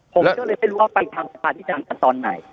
ผมก็เลยไม่รู้ว่าไปทางสภาธิการกันตอนไหน